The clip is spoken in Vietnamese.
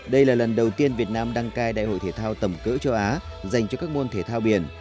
đây là lần đầu tiên việt nam đăng cai đại hội thể thao tầm cỡ châu á dành cho các môn thể thao biển